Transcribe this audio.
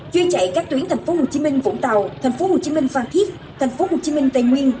chơi chạy các tuyến tp hcm vũng tàu tp hcm phan thiếp tp hcm tây nguyên